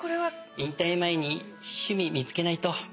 引退前に趣味見つけないと。